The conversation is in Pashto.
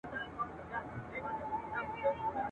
اوبه مو ګرمي دي په لاس کي مو ډوډۍ سړه ده ..